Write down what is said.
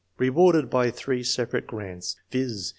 Eewarded by three separate grants, viz.